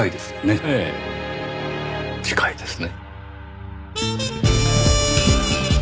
ええ近いですね。